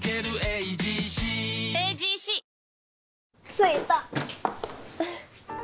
着いた。